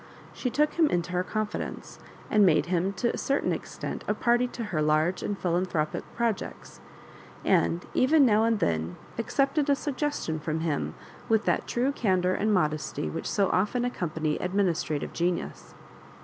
She took him into her confidence, and made him to a certain extent a party to her large and philanthropic projects, and even now and then accepted a suggestion from him with that true candour and modesty which so often accompany administrative genius.